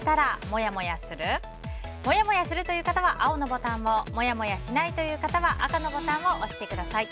もやもやするという方は青のボタンをもやもやしないという方は赤のボタンを押してください。